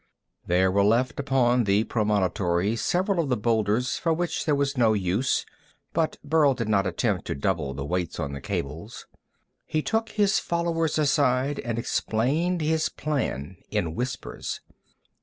There were left upon the promontory, several of the boulders for which there was no use, but Burl did not attempt to double the weights on the cables. He took his followers aside and explained his plan in whispers.